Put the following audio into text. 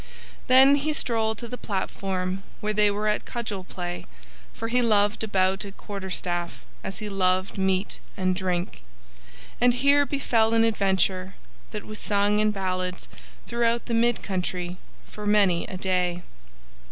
Then he strolled to the platform where they were at cudgel play, for he loved a bout at quarterstaff as he loved meat and drink; and here befell an adventure that was sung in ballads throughout the mid country for many a day.